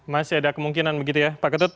masih ada kemungkinan begitu ya pak ketut